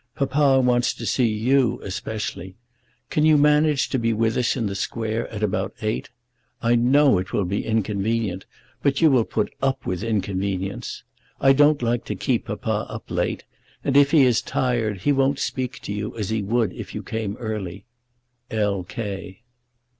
Papa wants to see you especially. Can you manage to be with us in the Square at about eight? I know it will be inconvenient, but you will put up with inconvenience. I don't like to keep Papa up late; and if he is tired he won't speak to you as he would if you came early. L. K."